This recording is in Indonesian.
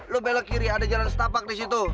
lo belok kiri ada jalan setapak di situ